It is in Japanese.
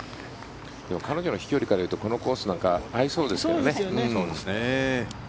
彼女の飛距離からいうとこのコースなんか合いそうですけどね。